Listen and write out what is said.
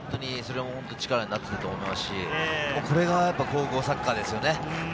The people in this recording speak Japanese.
それも力になったと思いますし、これが高校サッカーですよね。